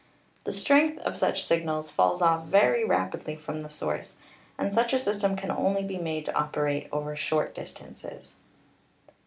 The strength of such signals falls off very rapidly from the source, and such a system can only be made to operate over short distances.